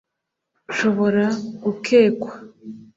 Nshobora gukekwa